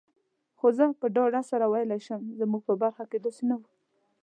خو زه په ډاډ سره ویلای شم، زموږ په برخه کي داسي نه وو.